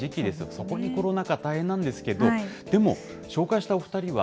そこにコロナ禍、大変なんですけれども、でも紹介したお２人は、